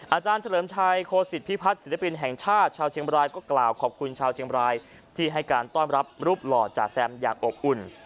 อาจารย์เฉลิมชัยโคศิษฐพิพัฒน์ศิลปินแห่งชาติชาวเชียงบรายก็กล่าวขอบคุณชาวเชียงบรายที่ให้การต้อนรับรูปหล่อจ่าแซมอย่างอบอุ่น